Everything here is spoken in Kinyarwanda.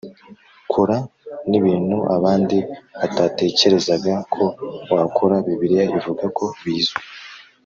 kora n ibintu abandi batatekerezaga ko wakora Bibiliya ivuga ko bizwi